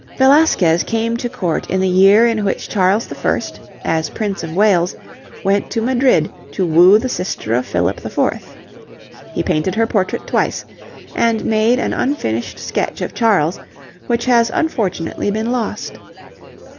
Velasquez came to Court in the year in which Charles I., as Prince of Wales, went to Madrid to woo the sister of Philip IV. He painted her portrait twice, and made an unfinished sketch of Charles, which has unfortunately been lost.